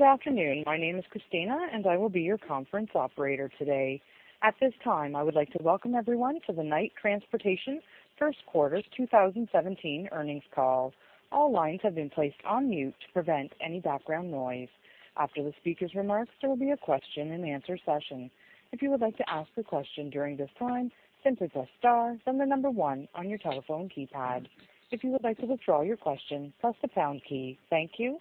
Good afternoon. My name is Christina, and I will be your conference operator today. At this time, I would like to welcome everyone to the Knight Transportation first quarter 2017 earnings call. All lines have been placed on mute to prevent any background noise. After the speaker's remarks, there will be a question-and-answer session. If you would like to ask a question during this time, press star, then the number one on your telephone keypad. If you would like to withdraw your question, press the pound key. Thank you.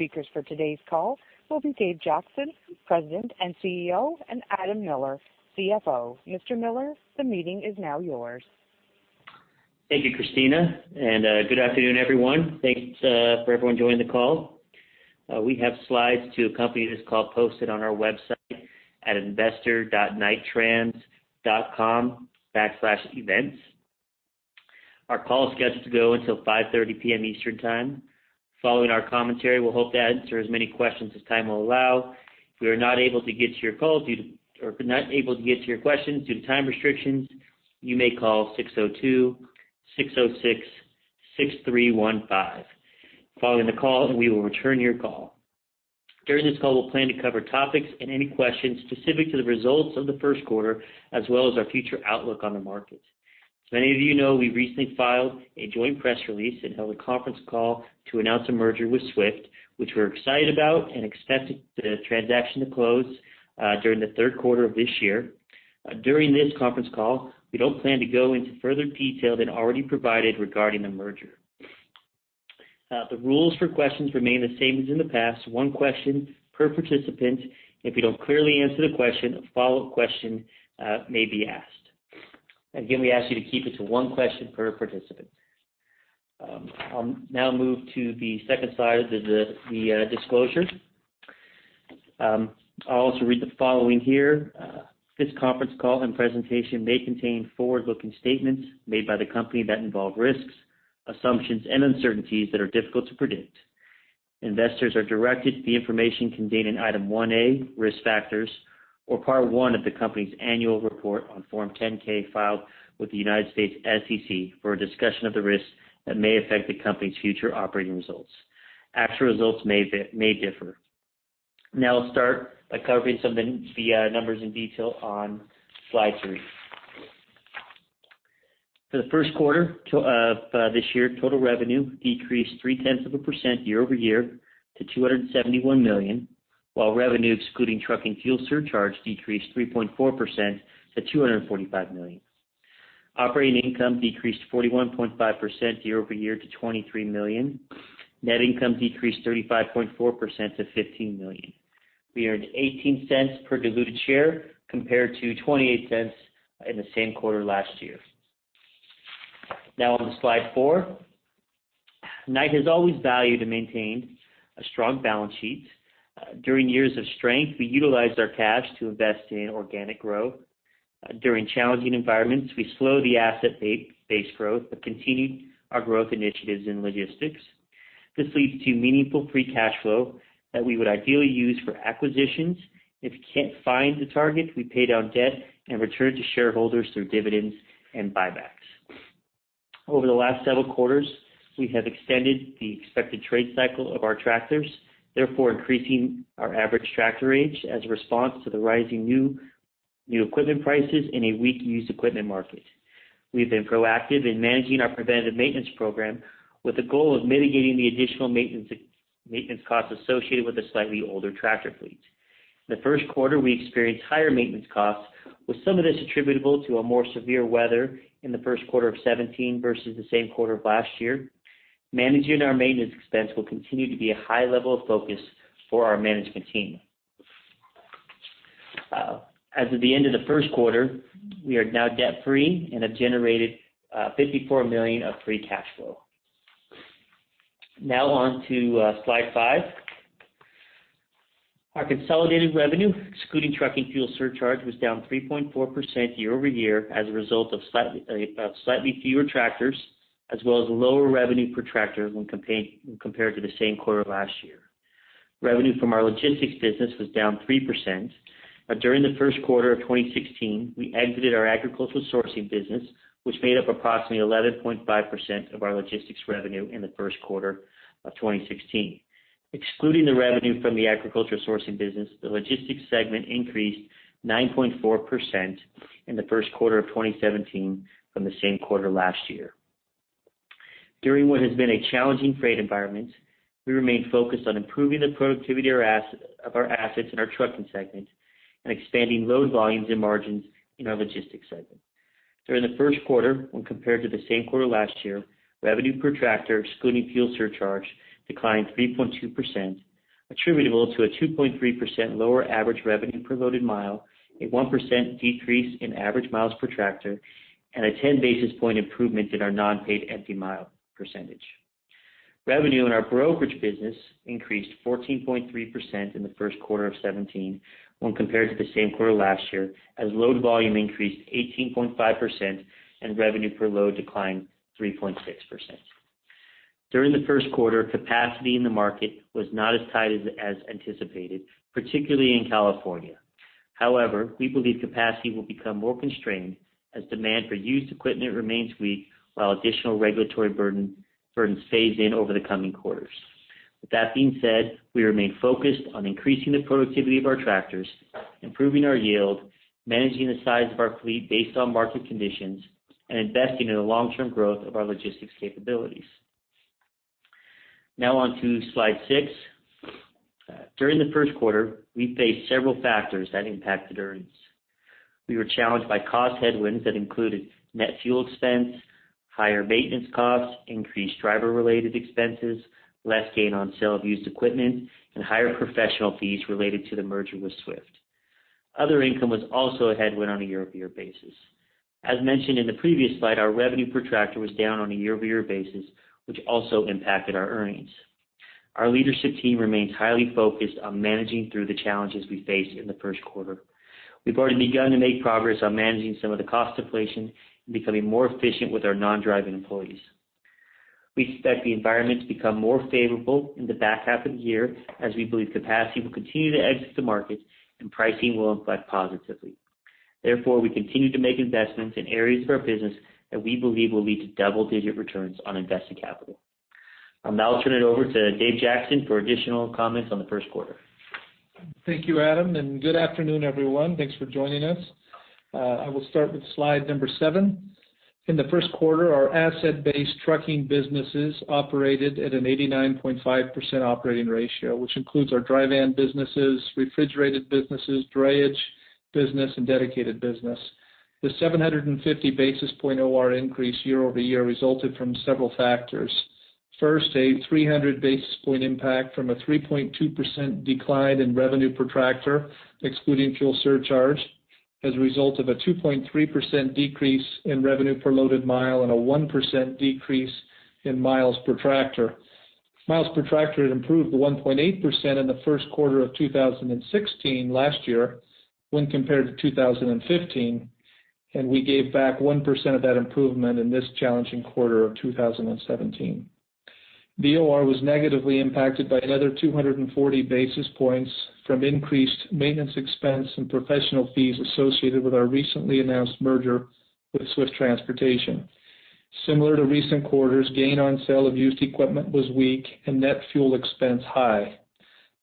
Speakers for today's call will be Dave Jackson, President and CEO, and Adam Miller, CFO. Mr. Miller, the meeting is now yours. Thank you, Christina, and, good afternoon, everyone. Thanks, for everyone joining the call. We have slides to accompany this call posted on our website at investor.knighttrans.com/events. Our call is scheduled to go until 5:30 P.M. Eastern Time. Following our commentary, we'll hope to answer as many questions as time will allow. If we are not able to get to your call due to- or not able to get to your questions due to time restrictions, you may call 602-606-6315. Following the call, we will return your call. During this call, we'll plan to cover topics and any questions specific to the results of the first quarter, as well as our future outlook on the market. As many of you know, we recently filed a joint press release and held a conference call to announce a merger with Swift, which we're excited about and expecting the transaction to close during the third quarter of this year. During this conference call, we don't plan to go into further detail than already provided regarding the merger. The rules for questions remain the same as in the past, one question per participant. If we don't clearly answer the question, a follow-up question may be asked. Again, we ask you to keep it to one question per participant. I'll now move to the second slide of the disclosure. I'll also read the following here. "This conference call and presentation may contain forward-looking statements made by the company that involve risks, assumptions, and uncertainties that are difficult to predict. Investors are directed to the information contained in Item 1A, Risk Factors, of Part one of the company's annual report on Form 10-K, filed with the United States SEC for a discussion of the risks that may affect the company's future operating results. Actual results may differ. Now, I'll start by covering some of the numbers in detail on slide three. For the first quarter to this year, total revenue decreased 0.3% year-over-year to $271 million, while revenue, excluding trucking fuel surcharge, decreased 3.4% to $245 million. Operating income decreased 41.5% year-over-year to $23 million. Net income decreased 35.4% to $15 million. We earned $0.18 per diluted share, compared to $0.28 in the same quarter last year. Now on to slide four. Knight has always valued and maintained a strong balance sheet. During years of strength, we utilized our cash to invest in organic growth. During challenging environments, we slowed the asset base growth, but continued our growth initiatives in logistics. This leads to meaningful Free Cash Flow that we would ideally use for acquisitions. If we can't find the target, we pay down debt and return to shareholders through dividends and buybacks. Over the last several quarters, we have extended the expected trade cycle of our tractors, therefore, increasing our average tractor age as a response to the rising new equipment prices in a weak used equipment market. We've been proactive in managing our preventative maintenance program with the goal of mitigating the additional maintenance costs associated with a slightly older tractor fleet. The first quarter, we experienced higher maintenance costs, with some of this attributable to a more severe weather in the first quarter of 2017 versus the same quarter of last year. Managing our maintenance expense will continue to be a high level of focus for our management team. As of the end of the first quarter, we are now debt-free and have generated $54 million of free cash flow. Now on to slide five. Our consolidated revenue, excluding trucking fuel surcharge, was down 3.4% year-over-year as a result of slightly fewer tractors, as well as lower revenue per tractor when compared to the same quarter last year. Revenue from our logistics business was down 3%. During the first quarter of 2016, we exited our agricultural sourcing business, which made up approximately 11.5% of our logistics revenue in the first quarter of 2016. Excluding the revenue from the agricultural sourcing business, the logistics segment increased 9.4% in the first quarter of 2017 from the same quarter last year. During what has been a challenging freight environment, we remain focused on improving the productivity of our assets in our trucking segment and expanding load volumes and margins in our logistics segment. During the first quarter, when compared to the same quarter last year, revenue per tractor, excluding fuel surcharge, declined 3.2%, attributable to a 2.3% lower average revenue per loaded mile, a 1% decrease in average miles per tractor, and a 10 basis point improvement in our non-paid empty mile percentage. Revenue in our brokerage business increased 14.3% in the first quarter of 2017 when compared to the same quarter last year, as load volume increased 18.5% and revenue per load declined 3.6%. During the first quarter, capacity in the market was not as tight as anticipated, particularly in California. However, we believe capacity will become more constrained as demand for used equipment remains weak, while additional regulatory burden phase in over the coming quarters. With that being said, we remain focused on increasing the productivity of our tractors, improving our yield, managing the size of our fleet based on market conditions, and investing in the long-term growth of our logistics capabilities. Now on to slide six. During the first quarter, we faced several factors that impacted earnings. We were challenged by cost headwinds that included net fuel expense, higher maintenance costs, increased driver-related expenses, less gain on sale of used equipment, and higher professional fees related to the merger with Swift. Other income was also a headwind on a year-over-year basis. As mentioned in the previous slide, our revenue per tractor was down on a year-over-year basis, which also impacted our earnings. Our leadership team remains highly focused on managing through the challenges we faced in the first quarter. We've already begun to make progress on managing some of the cost deflation and becoming more efficient with our non-driving employees. We expect the environment to become more favorable in the back half of the year, as we believe capacity will continue to exit the market and pricing will inflect positively. Therefore, we continue to make investments in areas of our business that we believe will lead to double-digit returns on invested capital. I'll now turn it over to Dave Jackson for additional comments on the first quarter. Thank you, Adam, and good afternoon, everyone. Thanks for joining us. I will start with slide number seven. In the first quarter, our asset-based trucking businesses operated at an 89.5% operating ratio, which includes our dry van businesses, refrigerated businesses, drayage business, and dedicated business. The 750 basis point OR increase year-over-year resulted from several factors. First, a 300 basis point impact from a 3.2% decline in revenue per tractor, excluding fuel surcharge, as a result of a 2.3% decrease in revenue per loaded mile and a 1% decrease in miles per tractor. Miles per tractor had improved to 1.8% in the first quarter of 2016 last year when compared to 2015, and we gave back 1% of that improvement in this challenging quarter of 2017. The OR was negatively impacted by another 240 basis points from increased maintenance expense and professional fees associated with our recently announced merger with Swift Transportation. Similar to recent quarters, gain on sale of used equipment was weak and net fuel expense high.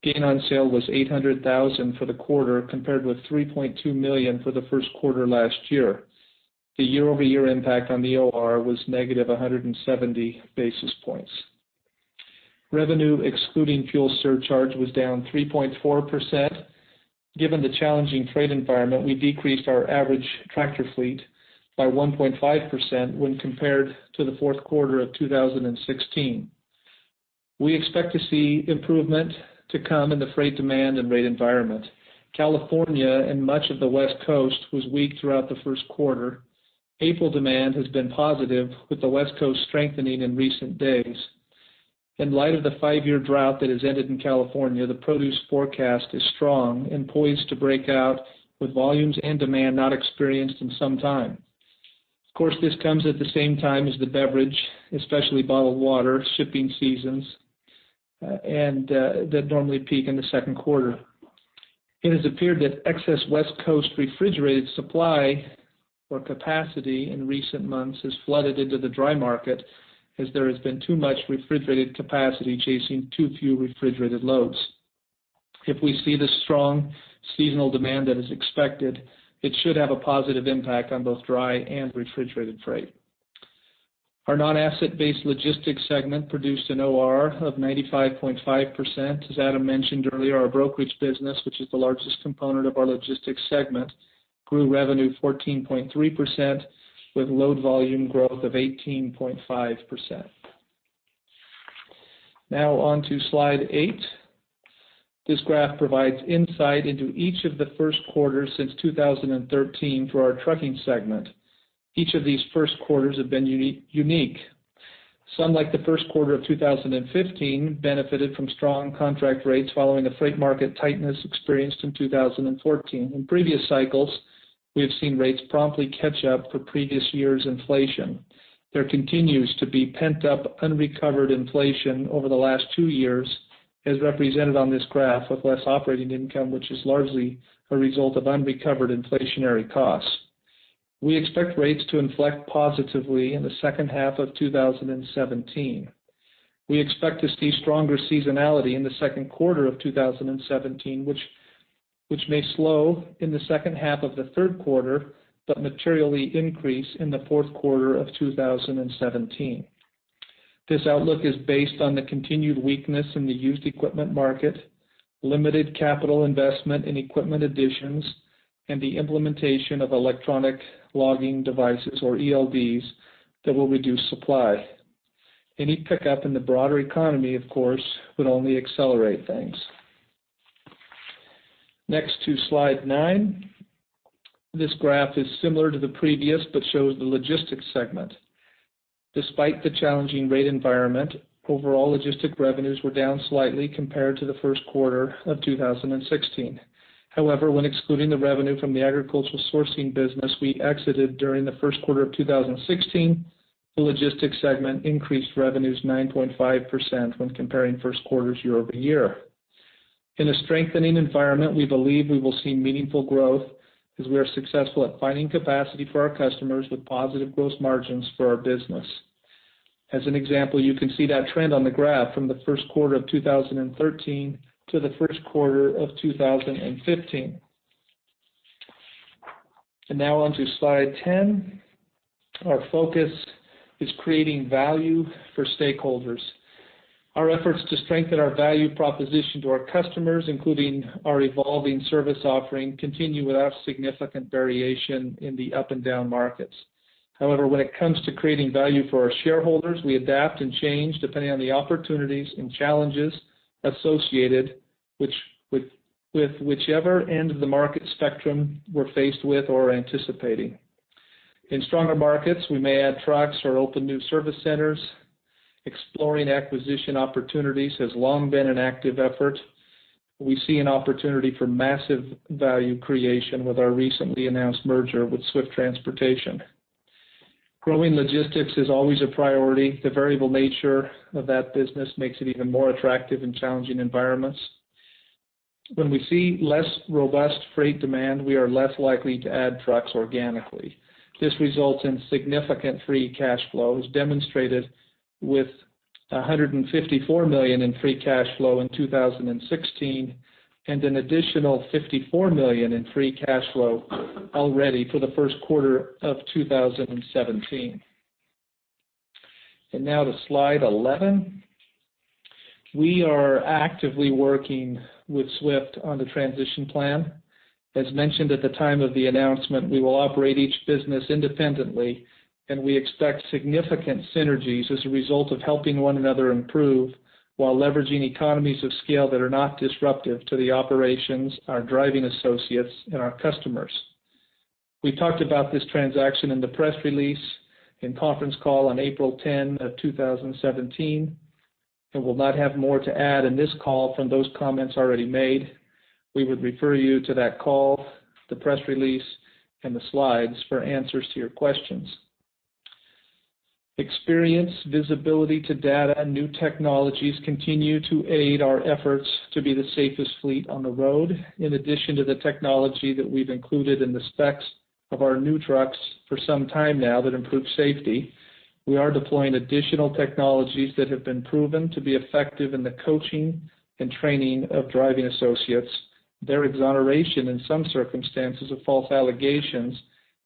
Gain on sale was $800,000 for the quarter, compared with $3.2 million for the first quarter last year. The year-over-year impact on the OR was negative 170 basis points. Revenue, excluding fuel surcharge, was down 3.4%. Given the challenging trade environment, we decreased our average tractor fleet by 1.5% when compared to the fourth quarter of 2016. We expect to see improvement to come in the freight demand and rate environment. California and much of the West Coast was weak throughout the first quarter. April demand has been positive, with the West Coast strengthening in recent days. In light of the five year drought that has ended in California, the produce forecast is strong and poised to break out with volumes and demand not experienced in some time. Of course, this comes at the same time as the beverage, especially bottled water, shipping seasons, and that normally peak in the second quarter. It has appeared that excess West Coast refrigerated supply or capacity in recent months has flooded into the dry market, as there has been too much refrigerated capacity chasing too few refrigerated loads. If we see the strong seasonal demand that is expected, it should have a positive impact on both dry and refrigerated freight. Our non-asset-based logistics segment produced an OR of 95.5%. As Adam mentioned earlier, our brokerage business, which is the largest component of our logistics segment, grew revenue 14.3% with load volume growth of 18.5%. Now on to slide eight. This graph provides insight into each of the first quarters since 2013 for our trucking segment. Each of these first quarters have been unique. Some, like the first quarter of 2015, benefited from strong contract rates following the freight market tightness experienced in 2014. In previous cycles, we have seen rates promptly catch up to previous year's inflation. There continues to be pent-up, unrecovered inflation over the last two years, as represented on this graph, with less operating income, which is largely a result of unrecovered inflationary costs. We expect rates to inflect positively in the second half of 2017. We expect to see stronger seasonality in the second quarter of 2017, which may slow in the second half of the third quarter, but materially increase in the fourth quarter of 2017. This outlook is based on the continued weakness in the used equipment market, limited capital investment in equipment additions, and the implementation of electronic logging devices, or ELDs, that will reduce supply. Any pickup in the broader economy, of course, would only accelerate things. Next to slide nine. This graph is similar to the previous, but shows the logistics segment. Despite the challenging rate environment, overall logistics revenues were down slightly compared to the first quarter of 2016. However, when excluding the revenue from the agricultural sourcing business we exited during the first quarter of 2016, the logistics segment increased revenues 9.5% when comparing first quarters year-over-year. In a strengthening environment, we believe we will see meaningful growth as we are successful at finding capacity for our customers with positive gross margins for our business. As an example, you can see that trend on the graph from the first quarter of 2013 to the first quarter of 2015. Now on to slide 10. Our focus is creating value for stakeholders. Our efforts to strengthen our value proposition to our customers, including our evolving service offering, continue without significant variation in the up and down markets. However, when it comes to creating value for our shareholders, we adapt and change depending on the opportunities and challenges associated with whichever end of the market spectrum we're faced with or anticipating. In stronger markets, we may add trucks or open new service centers. Exploring acquisition opportunities has long been an active effort. We see an opportunity for massive value creation with our recently announced merger with Swift Transportation. Growing logistics is always a priority. The variable nature of that business makes it even more attractive in challenging environments. When we see less robust freight demand, we are less likely to add trucks organically. This results in significant free cash flows, demonstrated with $154 million in free cash flow in 2016, and an additional $54 million in free cash flow already for the first quarter of 2017. Now to slide 11. We are actively working with Swift on the transition plan. As mentioned at the time of the announcement, we will operate each business independently, and we expect significant synergies as a result of helping one another improve while leveraging economies of scale that are not disruptive to the operations, our driving associates, and our customers. We talked about this transaction in the press release and conference call on April 10 of 2017, and will not have more to add in this call from those comments already made. We would refer you to that call, the press release, and the slides for answers to your questions. Experience, visibility to data, and new technologies continue to aid our efforts to be the safest fleet on the road. In addition to the technology that we've included in the specs of our new trucks for some time now that improve safety, we are deploying additional technologies that have been proven to be effective in the coaching and training of driving associates, their exoneration in some circumstances of false allegations,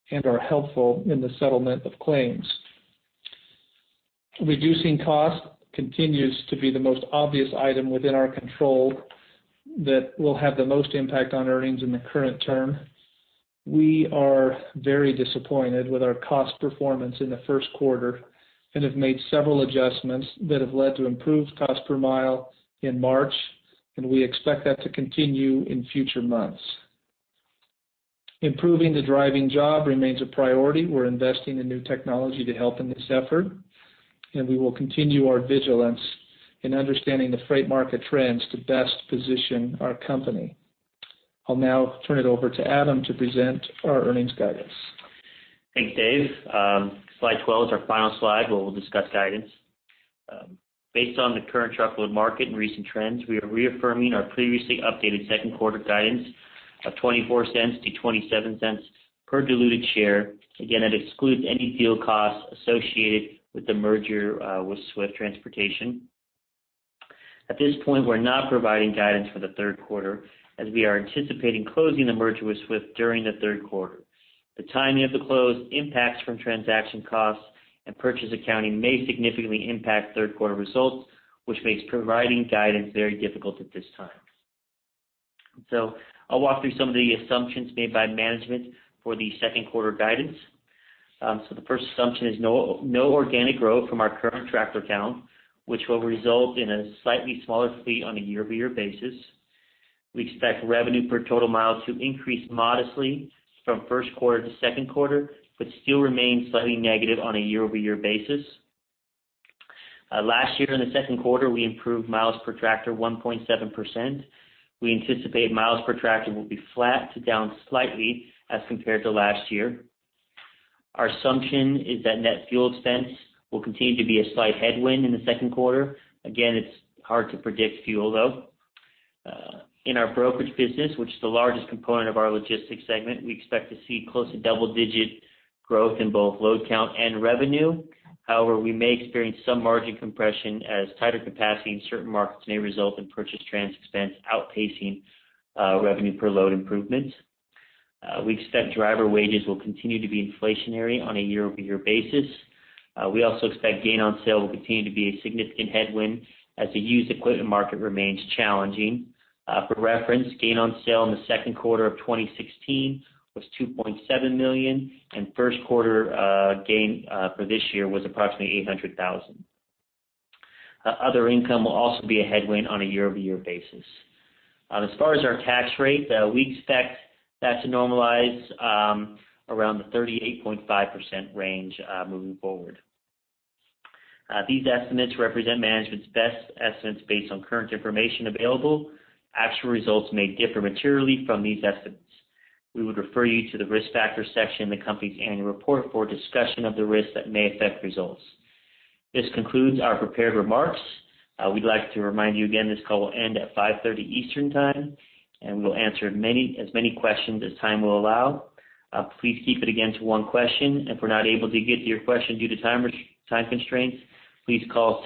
and are helpful in the settlement of claims. Reducing cost continues to be the most obvious item within our control that will have the most impact on earnings in the current term. We are very disappointed with our cost performance in the first quarter and have made several adjustments that have led to improved cost per mile in March, and we expect that to continue in future months. Improving the driving job remains a priority. We're investing in new technology to help in this effort, and we will continue our vigilance in understanding the freight market trends to best position our company. I'll now turn it over to Adam to present our earnings guidance. Thanks, Dave. Slide 12 is our final slide, where we'll discuss guidance. Based on the current truckload market and recent trends, we are reaffirming our previously updated second quarter guidance of $0.24-$0.27 per diluted share. Again, that excludes any deal costs associated with the merger with Swift Transportation. At this point, we're not providing guidance for the third quarter, as we are anticipating closing the merger with Swift during the third quarter. The timing of the close, impacts from transaction costs and purchase accounting may significantly impact third quarter results, which makes providing guidance very difficult at this time. So I'll walk through some of the assumptions made by management for the second quarter guidance. So the first assumption is no organic growth from our current tractor count, which will result in a slightly smaller fleet on a year-over-year basis. We expect revenue per total miles to increase modestly from first quarter to second quarter, but still remain slightly negative on a year-over-year basis. Last year, in the second quarter, we improved miles per tractor 1.7%. We anticipate miles per tractor will be flat to down slightly as compared to last year. Our assumption is that net fuel expense will continue to be a slight headwind in the second quarter. Again, it's hard to predict fuel, though. In our brokerage business, which is the largest component of our logistics segment, we expect to see close to double-digit growth in both load count and revenue. However, we may experience some margin compression as tighter capacity in certain markets may result in purchase trans expense outpacing revenue per load improvements. We expect driver wages will continue to be inflationary on a year-over-year basis. We also expect gain on sale will continue to be a significant headwind as the used equipment market remains challenging. For reference, gain on sale in the second quarter of 2016 was $2.7 million, and first quarter gain for this year was approximately $800,000. Other income will also be a headwind on a year-over-year basis. As far as our tax rate, we expect that to normalize around the 38.5% range, moving forward. These estimates represent management's best estimates based on current information available. Actual results may differ materially from these estimates. We would refer you to the risk factors section in the company's annual report for a discussion of the risks that may affect results. This concludes our prepared remarks. We'd like to remind you again, this call will end at 5:30 P.M. Eastern Time, and we will answer as many questions as time will allow. Please keep it again to one question. If we're not able to get to your question due to time constraints, please call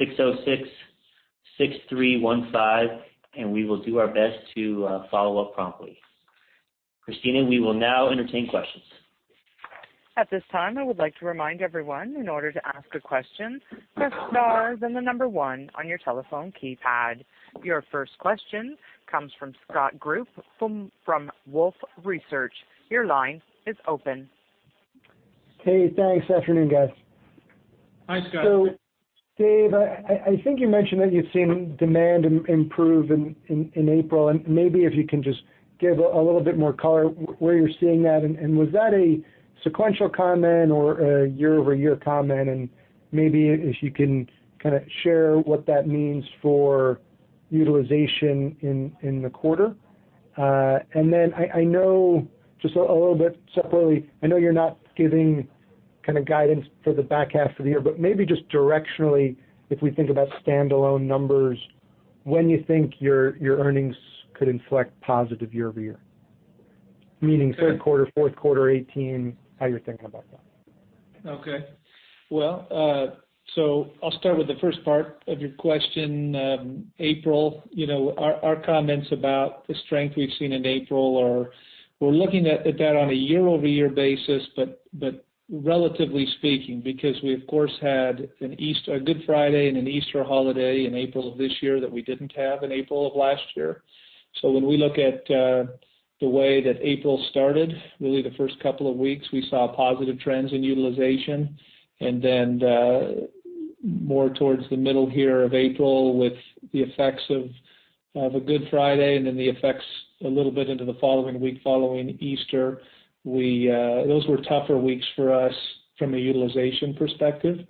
602-606-6315, and we will do our best to follow up promptly. Christina, we will now entertain questions. At this time, I would like to remind everyone, in order to ask a question, press star then the number one on your telephone keypad. Your first question comes from Scott Group from Wolfe Research. Your line is open. Hey, thanks. Afternoon, guys. Hi, Scott. So Dave, I think you mentioned that you've seen demand improve in April, and maybe if you can just give a little bit more color where you're seeing that, and was that a sequential comment or a year-over-year comment? And maybe if you can kind of share what that means for utilization in the quarter. And then I know just a little bit separately, I know you're not giving kind of guidance for the back half of the year, but maybe just directionally, if we think about standalone numbers, when you think your earnings could inflect positive year-over-year, meaning third quarter, fourth quarter 2018, how you're thinking about that? Okay. Well, so I'll start with the first part of your question. April, you know, our, our comments about the strength we've seen in April are, we're looking at, at that on a year-over-year basis, but, but relatively speaking, because we, of course, had a Good Friday and an Easter holiday in April of this year that we didn't have in April of last year. So when we look at, the way that April started, really the first couple of weeks, we saw positive trends in utilization. And then, more towards the middle here of April, with the effects of, of a Good Friday, and then the effects a little bit into the following week, following Easter, we, those were tougher weeks for us from a utilization perspective.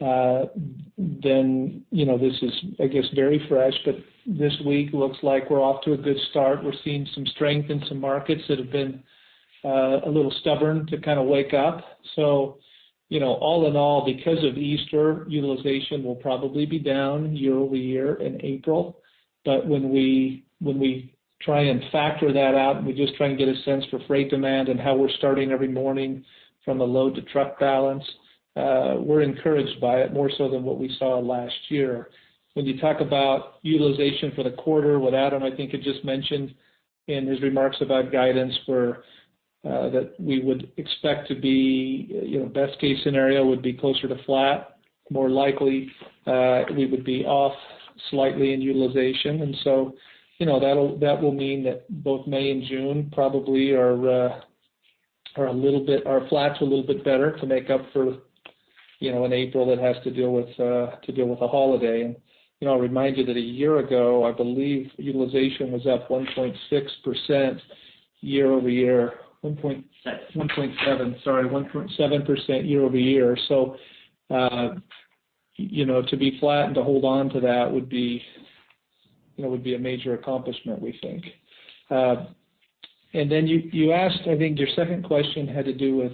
Then, you know, this is, I guess, very fresh, but this week looks like we're off to a good start. We're seeing some strength in some markets that have been a little stubborn to kind of wake up. So, you know, all in all, because of Easter, utilization will probably be down year-over-year in April. But when we, when we try and factor that out, and we just try and get a sense for freight demand and how we're starting every morning from a load to truck balance, we're encouraged by it more so than what we saw last year. When you talk about utilization for the quarter, what Adam, I think, had just mentioned in his remarks about guidance where that we would expect to be, you know, best-case scenario would be closer to flat. More likely, we would be off slightly in utilization. And so, you know, that will mean that both May and June probably are a little bit flat to a little bit better to make up for, you know, an April that has to deal with a holiday. And, you know, I'll remind you that a year ago, I believe utilization was up 1.6% year-over-year, one point. Seven. 1.7%, sorry, 1.7% year-over-year. So, you know, to be flat and to hold on to that would be, you know, would be a major accomplishment, we think. And then you, you asked, I think your second question had to do with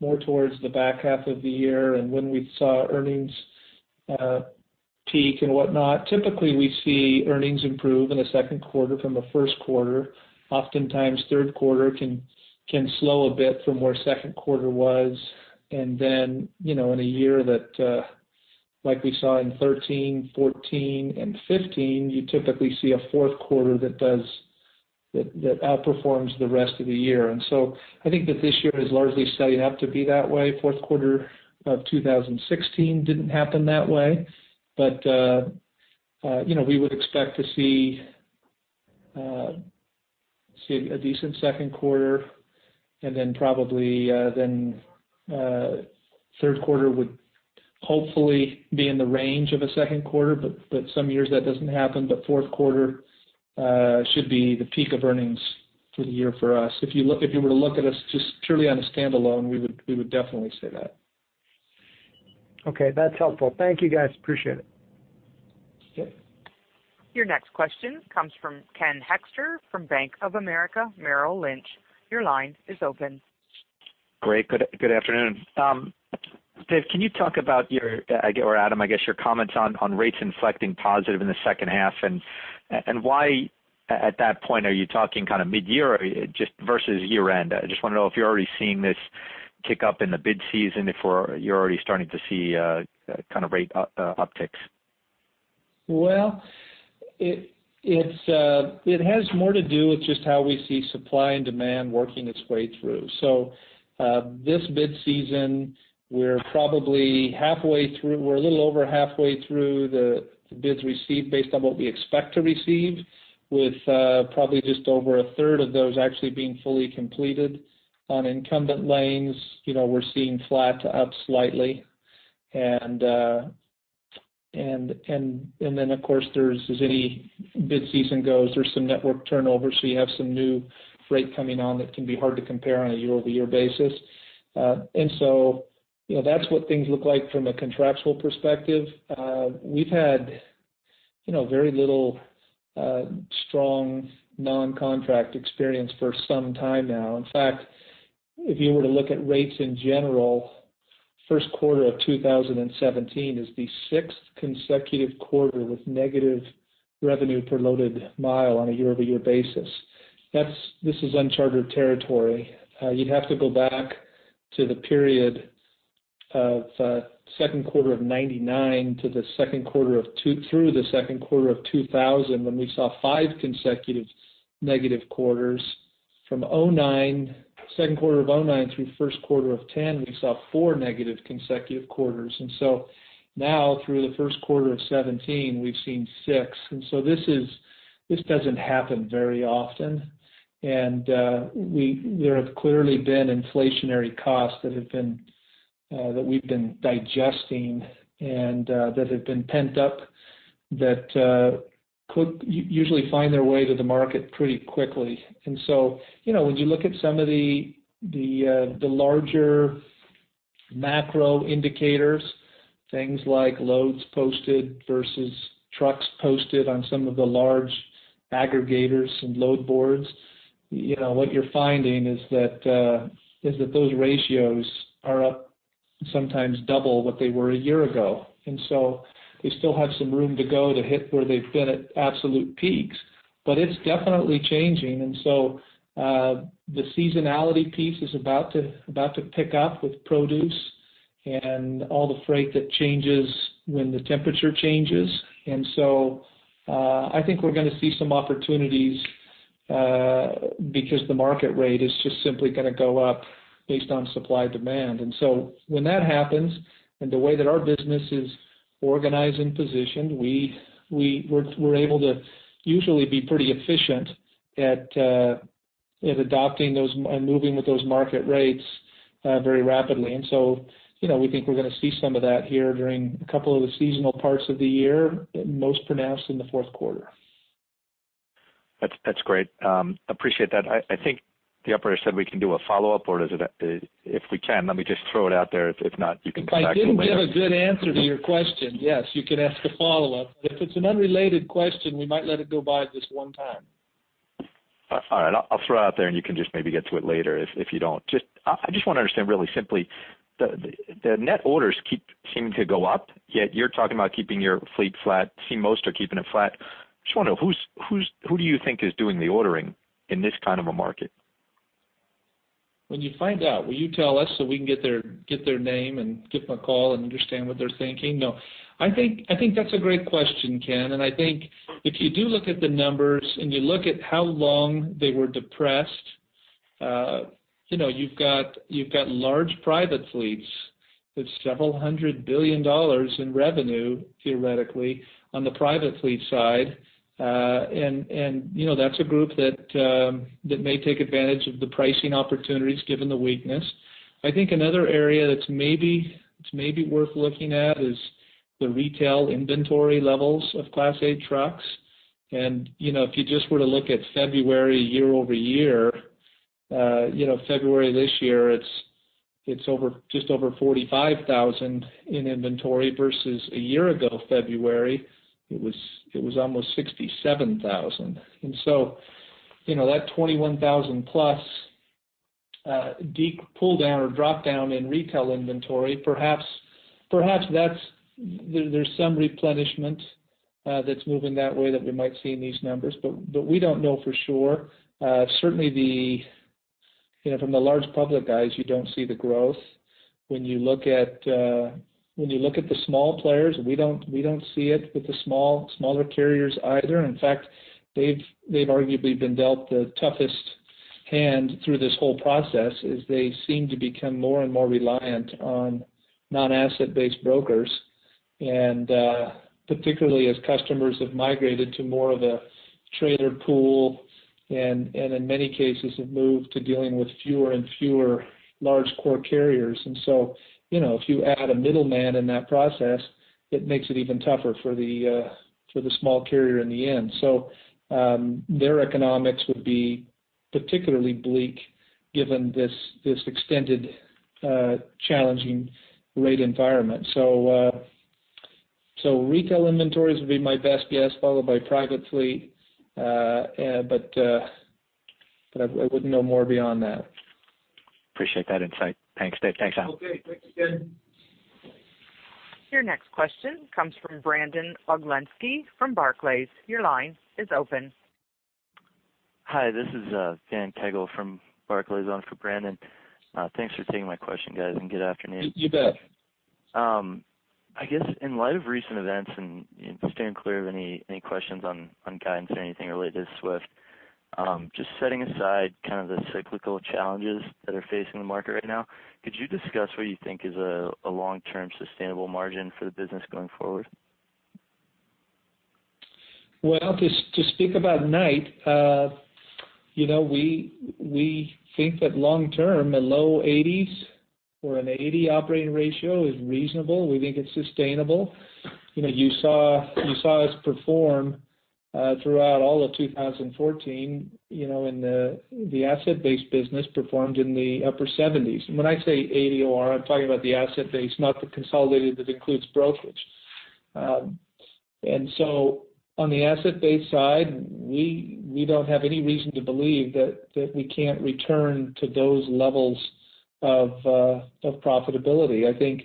more towards the back half of the year and when we saw earnings, peak and whatnot. Typically, we see earnings improve in the second quarter from the first quarter. Oftentimes, third quarter can slow a bit from where second quarter was. And then, you know, in a year that, like we saw in 2013, 2014, and 2015, you typically see a fourth quarter that outperforms the rest of the year. And so I think that this year is largely setting up to be that way. Fourth quarter of 2016 didn't happen that way, but, you know, we would expect to see a decent second quarter, and then probably, then, third quarter would hopefully be in the range of a second quarter, but, but some years that doesn't happen. But fourth quarter should be the peak of earnings for the year for us. If you look, if you were to look at us just purely on a standalone, we would, we would definitely say that. Okay, that's helpful. Thank you, guys. Appreciate it. Okay. Your next question comes from Ken Hoexter, from Bank of America Merrill Lynch. Your line is open. Great. Good, good afternoon. Dave, can you talk about your or Adam, I guess, your comments on rates inflecting positive in the second half, and why, at that point, are you talking kind of mid-year or just versus year-end? I just want to know if you're already seeing this kick up in the bid season, if we're, you're already starting to see kind of rate up upticks. Well, it, it's, it has more to do with just how we see supply and demand working its way through. So, this bid season, we're probably halfway through. We're a little over halfway through the bids received based on what we expect to receive, with probably just over a third of those actually being fully completed. On incumbent lanes, you know, we're seeing flat to up slightly. And then of course, there's, as any bid season goes, there's some network turnover, so you have some new freight coming on that can be hard to compare on a year-over-year basis. And so, you know, that's what things look like from a contractual perspective. We've had, you know, very little strong non-contract experience for some time now. In fact, if you were to look at rates in general, first quarter of 2017 is the sixth consecutive quarter with negative revenue per loaded mile on a year-over-year basis. That's this is uncharted territory. You'd have to go back to the period of second quarter of 1999 to the second quarter of through the second quarter of 2000, when we saw five consecutive negative quarters. From 2009, second quarter of 2009 through first quarter of 2010, we saw four negative consecutive quarters. And so now, through the first quarter of 2017, we've seen six. And so this is, this doesn't happen very often. And we there have clearly been inflationary costs that have been that we've been digesting and that have been pent up, that could usually find their way to the market pretty quickly. And so, you know, when you look at some of the larger macro indicators, things like loads posted versus trucks posted on some of the large aggregators and load boards, you know, what you're finding is that those ratios are up sometimes double what they were a year ago. And so we still have some room to go to hit where they've been at absolute peaks, but it's definitely changing. And so, the seasonality piece is about to pick up with produce and all the freight that changes when the temperature changes. And so, I think we're gonna see some opportunities, because the market rate is just simply gonna go up based on supply and demand. And so when that happens, and the way that our business is organized and positioned, we're able to usually be pretty efficient at adopting those and moving with those market rates very rapidly. And so, you know, we think we're gonna see some of that here during a couple of the seasonal parts of the year, most pronounced in the fourth quarter. That's, that's great. Appreciate that. I think the operator said we can do a follow-up, or does it. If we can, let me just throw it out there. If not, you can come back to me later. If I didn't give a good answer to your question, yes, you can ask a follow-up. But if it's an unrelated question, we might let it go by this one time. All right. I'll throw it out there, and you can just maybe get to it later if you don't. Just, I just want to understand really simply, the net orders keep seeming to go up, yet you're talking about keeping your fleet flat. See most are keeping it flat. Just want to know, who's, who do you think is doing the ordering in this kind of a market? When you find out, will you tell us so we can get their, get their name and give them a call and understand what they're thinking? No, I think, I think that's a great question, Ken. And I think if you do look at the numbers, and you look at how long they were depressed, you know, you've got, you've got large private fleets with several hundred billion dollars in revenue, theoretically, on the private fleet side. And, and, you know, that's a group that, that may take advantage of the pricing opportunities given the weakness. I think another area that's maybe, that's maybe worth looking at is the retail inventory levels of Class 8 trucks. And, you know, if you just were to look at February year-over-year, you know, February this year, it's just over 45,000 in inventory, versus a year ago, February, it was almost 67,000. And so, you know, that 21,000 plus pull down or drop down in retail inventory, perhaps that's, there's some replenishment that's moving that way that we might see in these numbers, but we don't know for sure. Certainly, you know, from the large public guys, you don't see the growth. When you look at the small players, we don't see it with the smaller carriers either. In fact, they've arguably been dealt the toughest hand through this whole process, as they seem to become more and more reliant on non-asset-based brokers, and particularly as customers have migrated to more of a trader pool, and in many cases, have moved to dealing with fewer and fewer large core carriers. And so, you know, if you add a middleman in that process, it makes it even tougher for the small carrier in the end. So, their economics would be particularly bleak, given this extended challenging rate environment. So, retail inventories would be my best guess, followed by private fleet. But I wouldn't know more beyond that. Appreciate that insight. Thanks, Dave. Thanks, Adam. Okay, thanks again. Your next question comes from Brandon Oglenski from Barclays. Your line is open. Hi, this is Dan [Taggle] from Barclays, on for Brandon. Thanks for taking my question, guys, and good afternoon. You bet. I guess in light of recent events, and staying clear of any questions on guidance or anything related to Swift, just setting aside kind of the cyclical challenges that are facing the market right now, could you discuss what you think is a long-term sustainable margin for the business going forward? Well, to speak about Knight, you know, we think that long term, the low 80s or an 80 operating ratio is reasonable. We think it's sustainable. You know, you saw us perform throughout all of 2014, you know, and the asset-based business performed in the upper 70s. And when I say 80 OR, I'm talking about the asset-based, not the consolidated that includes brokerage. And so on the asset-based side, we don't have any reason to believe that we can't return to those levels of profitability. I think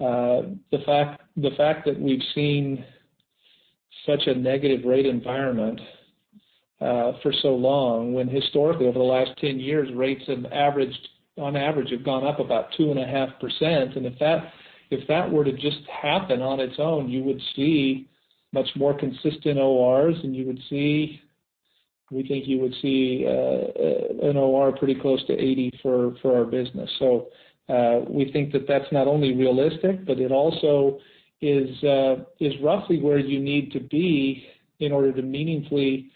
the fact that we've seen such a negative rate environment for so long, when historically, over the last 10 years, rates have averaged, on average, have gone up about 2.5%. If that, if that were to just happen on its own, you would see much more consistent ORs, and you would see, we think you would see, an OR pretty close to 80 for our business. So, we think that that's not only realistic, but it also is, is roughly where you need to be in order to meaningfully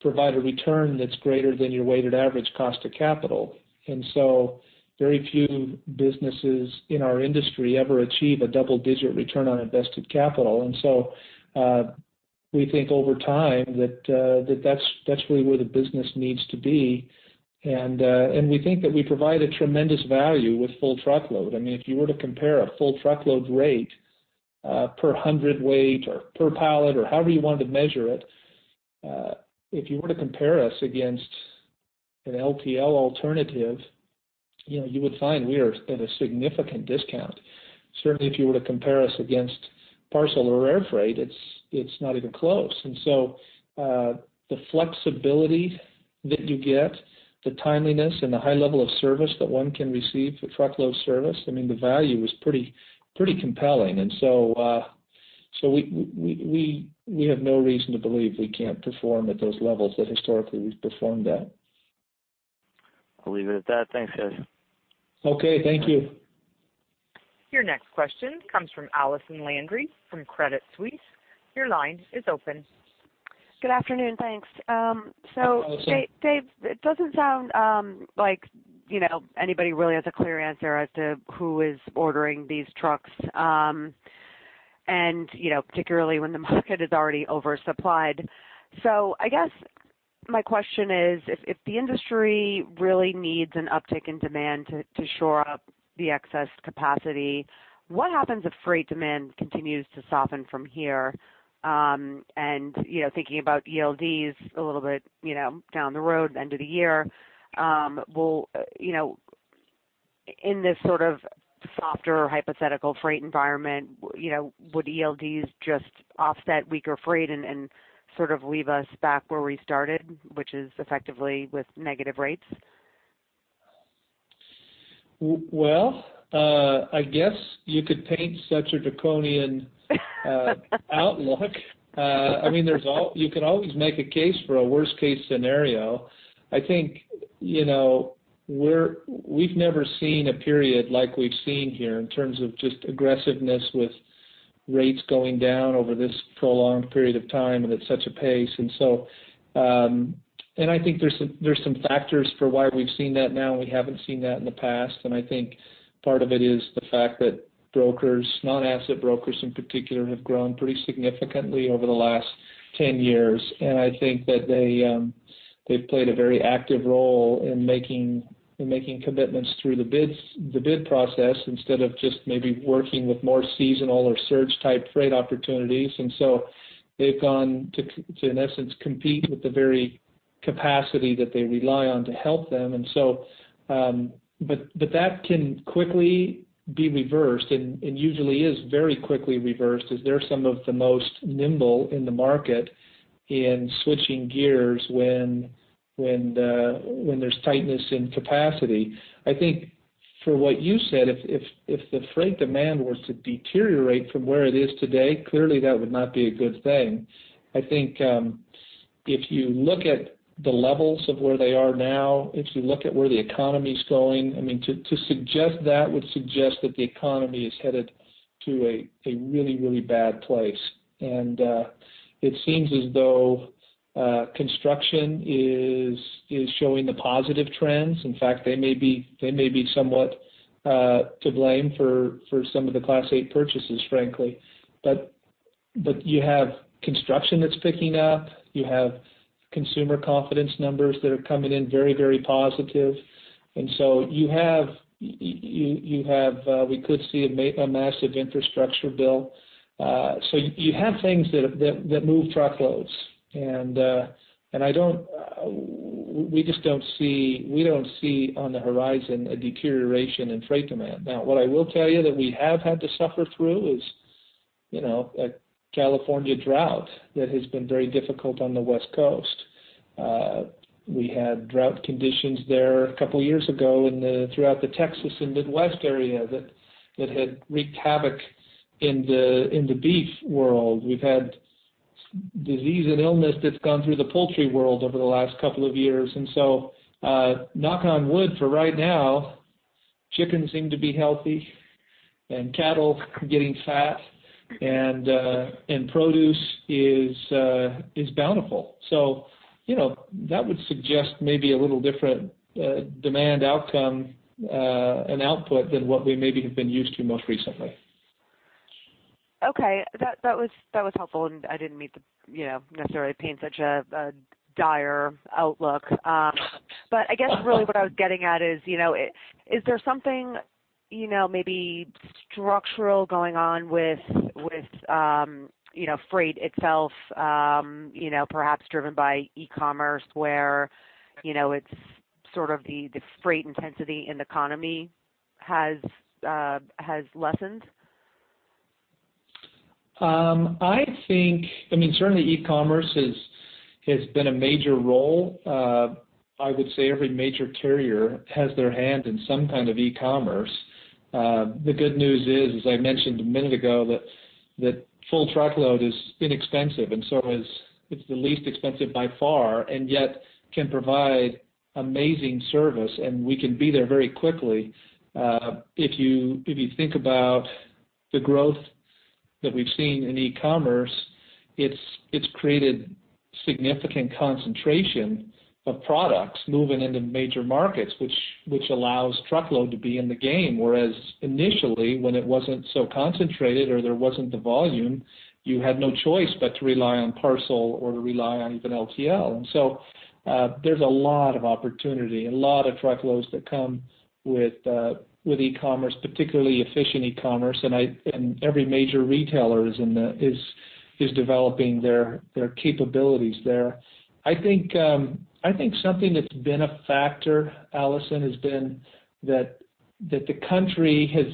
provide a return that's greater than your weighted average cost of capital. And so very few businesses in our industry ever achieve a double-digit return on invested capital. And so, we think over time, that, that that's, that's really where the business needs to be. And, and we think that we provide a tremendous value with full truckload. I mean, if you were to compare a full truckload rate, per hundredweight or per pallet, or however you wanted to measure it, if you were to compare us against an LTL alternative, you know, you would find we are at a significant discount. Certainly, if you were to compare us against parcel or air freight, it's not even close. And so, the flexibility that you get, the timeliness and the high level of service that one can receive for truckload service, I mean, the value is pretty, pretty compelling. And so, so we have no reason to believe we can't perform at those levels that historically we've performed at. I'll leave it at that. Thanks, Dave. Okay, thank you. Your next question comes from Allison Landry from Credit Suisse. Your line is open. Good afternoon, thanks. Hi, Allison. Dave, it doesn't sound, like, you know, anybody really has a clear answer as to who is ordering these trucks, and, you know, particularly when the market is already oversupplied. So I guess my question is, if the industry really needs an uptick in demand to shore up the excess capacity, what happens if freight demand continues to soften from here? And, you know, thinking about ELDs a little bit, you know, down the road, end of the year, will, you know, in this sort of softer hypothetical freight environment, you know, would ELDs just offset weaker freight and sort of leave us back where we started, which is effectively with negative rates? Well, I guess you could paint such a draconian outlook. I mean, you can always make a case for a worst case scenario. I think, you know, we've never seen a period like we've seen here in terms of just aggressiveness with rates going down over this prolonged period of time and at such a pace. And so, and I think there's some factors for why we've seen that now, and we haven't seen that in the past. And I think part of it is the fact that brokers, non-asset brokers in particular, have grown pretty significantly over the last 10 years. And I think that they, they've played a very active role in making commitments through the bids, the bid process, instead of just maybe working with more seasonal or surge-type freight opportunities. And so they've gone to, in essence, compete with the very capacity that they rely on to help them. And so, but that can quickly be reversed and usually is very quickly reversed, as they're some of the most nimble in the market in switching gears when there's tightness in capacity. I think for what you said, if the freight demand were to deteriorate from where it is today, clearly that would not be a good thing. I think, if you look at the levels of where they are now, if you look at where the economy is going, I mean, to suggest that would suggest that the economy is headed to a really, really bad place. And it seems as though construction is showing the positive trends. In fact, they may be, they may be somewhat to blame for some of the Class 8 purchases, frankly. But you have construction that's picking up. You have consumer confidence numbers that are coming in very, very positive. And so you have, you have we could see a massive infrastructure bill. So you have things that move truckloads, and I don't. We just don't see on the horizon a deterioration in freight demand. Now, what I will tell you that we have had to suffer through is, you know, a California drought that has been very difficult on the West Coast. We had drought conditions there a couple of years ago throughout the Texas and Midwest area that had wreaked havoc in the beef world. We've had disease and illness that's gone through the poultry world over the last couple of years. And so, knock on wood, for right now, chicken seem to be healthy, and cattle getting fat, and, and produce is, is bountiful. So, you know, that would suggest maybe a little different, demand outcome, and output than what we maybe have been used to most recently. Okay, that was helpful, and I didn't mean to, you know, necessarily paint such a dire outlook. But I guess really what I was getting at is, you know, is there something, you know, maybe structural going on with, with, you know, freight itself, you know, perhaps driven by e-commerce, where, you know, it's sort of the freight intensity in the economy has lessened? I think, I mean, certainly e-commerce has been a major role. I would say every major carrier has their hand in some kind of e-commerce. The good news is, as I mentioned a minute ago, that full truckload is inexpensive, and so it's the least expensive by far, and yet can provide amazing service, and we can be there very quickly. If you think about the growth that we've seen in e-commerce, it's created significant concentration of products moving into major markets, which allows truckload to be in the game. Whereas initially, when it wasn't so concentrated or there wasn't the volume, you had no choice but to rely on parcel or to rely on even LTL. And so, there's a lot of opportunity, a lot of truckloads that come with, with e-commerce, particularly efficient e-commerce, and I, and every major retailer is in the, is, is developing their, their capabilities there. I think, I think something that's been a factor, Allison, has been that, that the country has,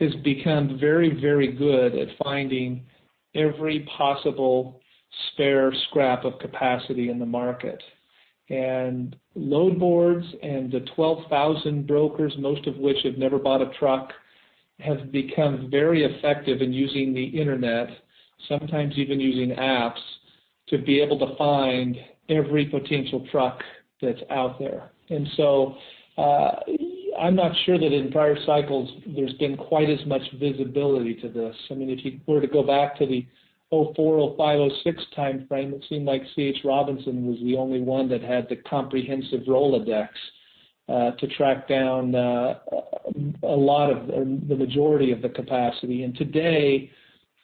has become very, very good at finding every possible spare scrap of capacity in the market. And load boards and the 12,000 brokers, most of which have never bought a truck, have become very effective in using the internet, sometimes even using apps, to be able to find every potential truck that's out there. And so, I'm not sure that in prior cycles there's been quite as much visibility to this. I mean, if you were to go back to the 2004, 2005, 2006 timeframe, it seemed like C.H. Robinson was the only one that had the comprehensive rolodex to track down a lot of, the majority of the capacity. And today,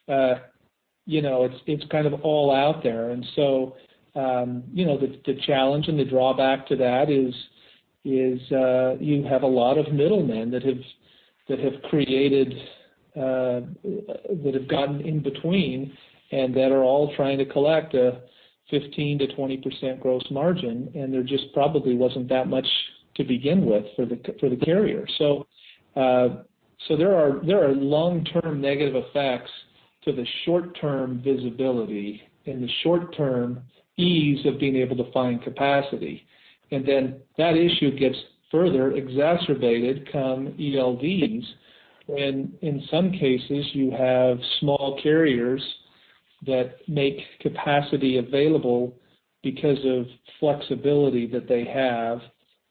you know, it's kind of all out there. And so, you know, the challenge and the drawback to that is you have a lot of middlemen that have created that have gotten in between and that are all trying to collect a 15%-20% gross margin, and there just probably wasn't that much to begin with for the carrier. So there are long-term negative effects to the short-term visibility and the short-term ease of being able to find capacity. And then that issue gets further exacerbated come ELDs, when in some cases you have small carriers that make capacity available because of flexibility that they have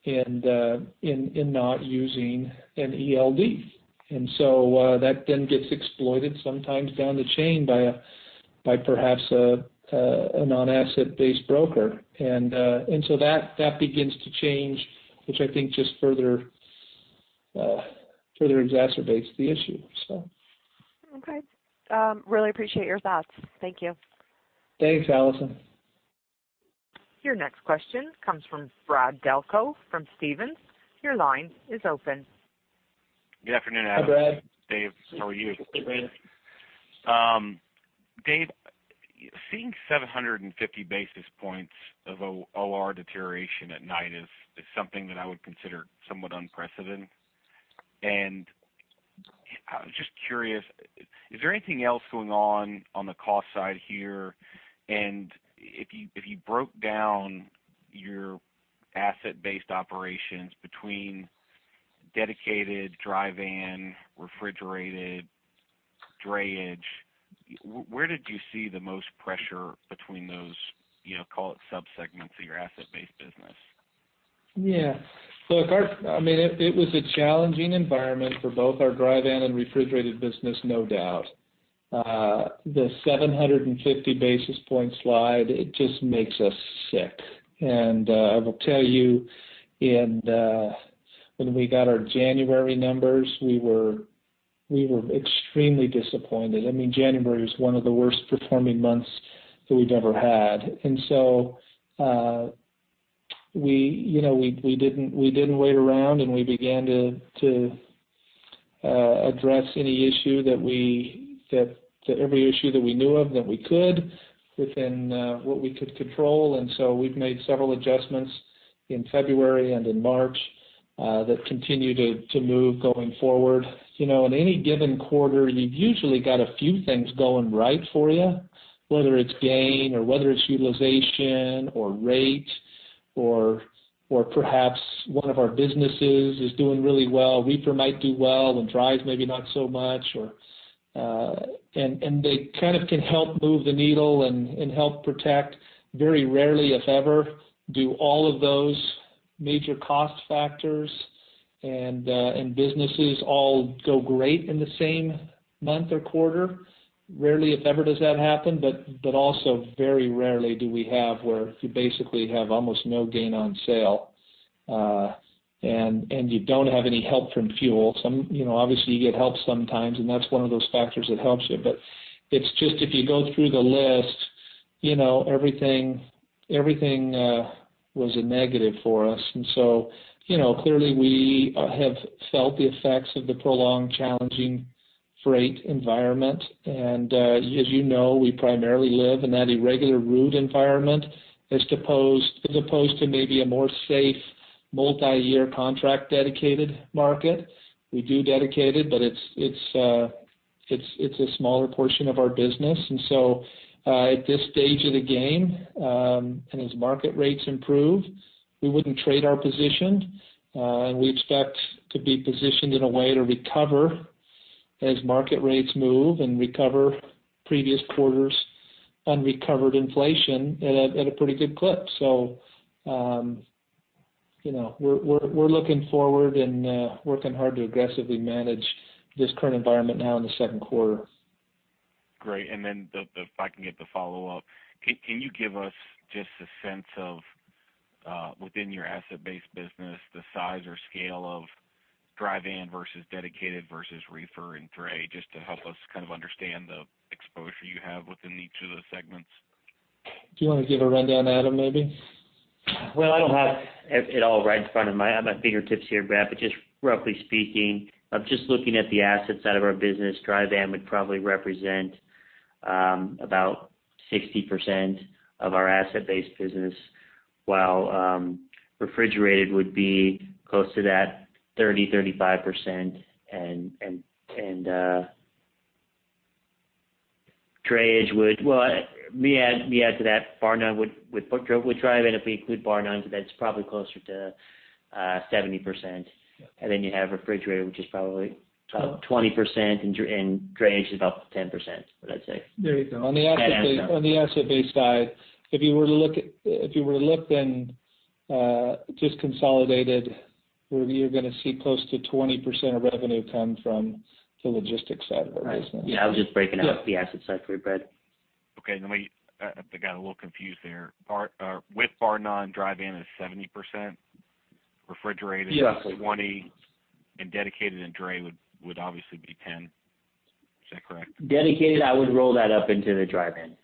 in not using an ELD. And so that begins to change, which I think just further exacerbates the issue, so. Okay. Really appreciate your thoughts. Thank you. Thanks, Allison. Your next question comes from Brad Delco from Stephens. Your line is open. Good afternoon, Adam. Hi, Brad. Dave, how are you? Great. Dave, seeing 750 basis points of OR deterioration at Knight is something that I would consider somewhat unprecedented. I was just curious, is there anything else going on on the cost side here? If you broke down your asset-based operations between dedicated, dry van, refrigerated, drayage, where did you see the most pressure between those, you know, call it subsegments of your asset-based business? Yeah. So our I mean, it was a challenging environment for both our dry van and refrigerated business, no doubt. The 750 basis point slide, it just makes us sick. And I will tell you in when we got our January numbers, we were extremely disappointed. I mean, January was one of the worst performing months that we've ever had. And so you know, we didn't wait around, and we began to address every issue that we knew of, that we could within what we could control. And so we've made several adjustments in February and in March that continue to move going forward. You know, in any given quarter, you've usually got a few things going right for you, whether it's gain or whether it's utilization or rate or, or perhaps one of our businesses is doing really well. Reefer might do well and dry is maybe not so much, and they kind of can help move the needle and help protect. Very rarely, if ever, do all of those major cost factors and businesses all go great in the same month or quarter. Rarely, if ever, does that happen, but also very rarely do we have where you basically have almost no gain on sale, and you don't have any help from fuel. Sometimes, you know, obviously, you get help sometimes, and that's one of those factors that helps you. But it's just if you go through the list, you know, everything was a negative for us. And so, you know, clearly, we have felt the effects of the prolonged, challenging freight environment. And, as you know, we primarily live in that irregular route environment, as opposed to maybe a more safe, multiyear contract, dedicated market. We do dedicated, but it's a smaller portion of our business. And so, at this stage of the game, and as market rates improve, we wouldn't trade our position, and we expect to be positioned in a way to recover as market rates move and recover previous quarters' unrecovered inflation at a pretty good clip. So, you know, we're looking forward and working hard to aggressively manage this current environment now in the second quarter. Great. And then the—if I can get the follow-up. Can you give us just a sense of, within your asset-based business, the size or scale of dry van versus dedicated versus reefer and dray, just to help us kind of understand the exposure you have within each of those segments? Do you want to give a rundown, Adam, maybe? Well, I don't have it all right in front of me, at my fingertips here, Brad, but just roughly speaking, of just looking at the asset side of our business, dry van would probably represent about 60% of our asset-based business, while refrigerated would be close to that 30%-35%. And drayage would, well, let me add to that, bar none would put dry van, if we include bar none, so that's probably closer to 70%.And then you have refrigerated, which is probably about 20%, and drayage is about 10%, I'd say. There you go. On the asset base, on the asset-based side, if you were to look at, if you were to look in just consolidated, where you're going to see close to 20% of revenue come from the logistics side of our business. Right. Yeah, I was just breaking out the asset side for you, Brad. Okay, let me, I got a little confused there. With Barr-Nunn, dry van is 70%, refrigerated. Yeah. And dedicated and dray would obviously be 10. Is that correct? Dedicated, I would roll that up into the dry van. Yeah, and I.